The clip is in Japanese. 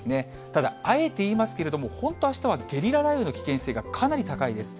ただ、あえて言いますけれども、本当、あしたはゲリラ雷雨の危険性がかなり高いです。